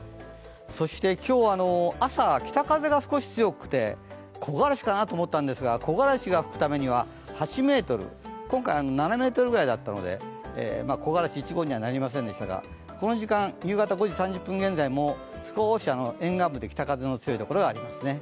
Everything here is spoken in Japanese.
そして今日は朝、北風が少し強くて木枯らしかなと思ったんですが、木枯らしが吹くためには８メートル、今回７メートルくらいだったので木枯らし１号にはなりませんでしたが、この時間、夕方５時３０分現在、少し沿岸部で北風の強いところがありますね。